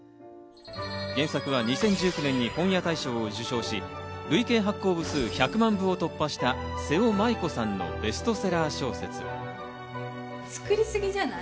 原作は２０１９年に本屋大賞を受賞し、累計発行部数１００万部を突破した、瀬尾まいこさんのベストセラ作りすぎじゃない？